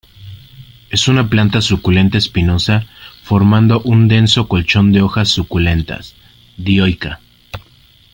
Es una planta suculenta espinosa, formando un denso colchón de hojas suculentas, dioica;.